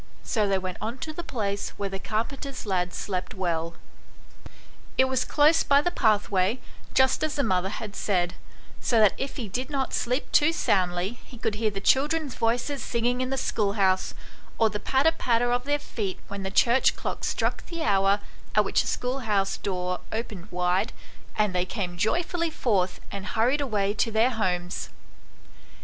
So they went on to the place where the carpenter's lad slept well. It was close by the pathway, just as the mother had said, so that if he did not sleep too soundly, he could hear the children's voices singing in the school house, or the patter patter of their feet when the church clock struck the hour, at which the schoolhouse x.] THE BEAUTIFUL LADY. 101 door opened wide, and they came joyfully forth and hurried away to their homes.